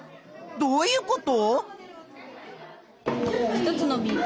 どういうこと？